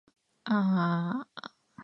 あああああああああああ